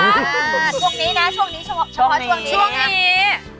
ช่วงนี้นะช่วงนี้เฉพาะช่วงนี้ช่วงนี้